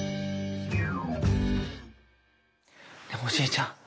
ねえおじいちゃん